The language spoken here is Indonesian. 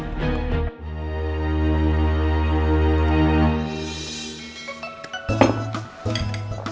tempat dia dirawat besok